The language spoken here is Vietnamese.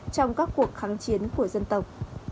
trong các cuộc kháng chiến của dân tộc